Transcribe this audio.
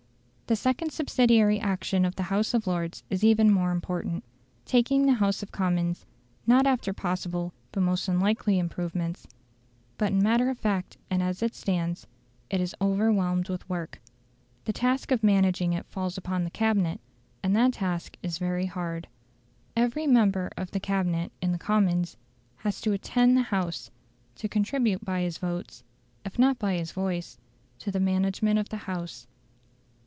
The second subsidiary action of the House of Lords is even more important. Taking the House of Commons, not after possible but most unlikely improvements, but in matter of fact and as it stands, it is overwhelmed with work. The task of managing it falls upon the Cabinet, and that task is very hard. Every member of the Cabinet in the Commons has to "attend the House"; to contribute by his votes, if not by his voice, to the management of the House.